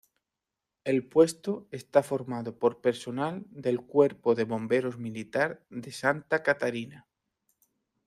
El puesto está formado por personal del Cuerpo de Bomberos Militar de Santa Catarina.